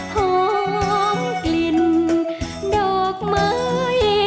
หอมกลิ่นดอกไม้